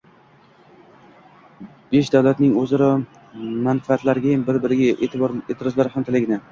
Besh davlatning oʻzaro manfaatlariyam, bir-biriga eʼtirozlari ham talaygina.